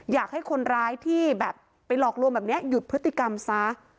อยากให้คนร้ายที่แบบไปหลอกลวงแบบนี้หยุดพฤติกรรมซะ